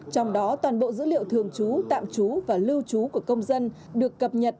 trong đó toàn bộ dữ liệu thường trú tạm trú và lưu trú của công dân được cập nhật